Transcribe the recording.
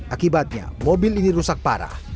akibatnya mobil ini rusak parah